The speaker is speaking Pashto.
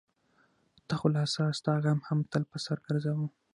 ته خو لا څه؛ ستا غم هم تل په سر ګرځوم.